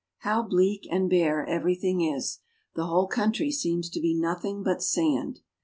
How bleak and bare everything is! The whole coun try seems to be nothing but sand.